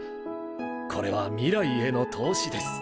これは未来への投資です。